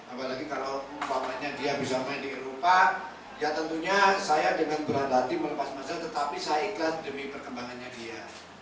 apalagi kalau umpamanya dia bisa main di eropa ya tentunya saya dengan berat hati melepas modal tetapi saya ikhlas demi perkembangannya dia